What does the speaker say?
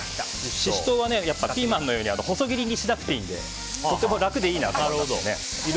シシトウはピーマンのように細切りにしなくていいのでとても楽でいいなと思いますね。